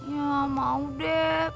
ya mau deh